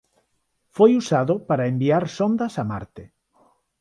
Foi usado para enviar sondas a Marte.